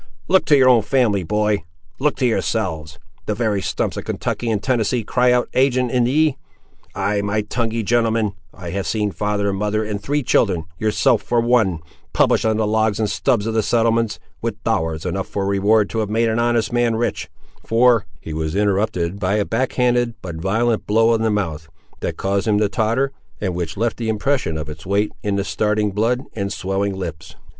Look to your own family, boy; look to yourselves. The very stumps of Kentucky and Tennessee cry out ag'in ye! Ay, my tonguey gentleman, I have seen father and mother and three children, yourself for one, published on the logs and stubs of the settlements, with dollars enough for reward to have made an honest man rich, for—" He was interrupted by a back handed but violent blow on the mouth, that caused him to totter, and which left the impression of its weight in the starting blood and swelling lips.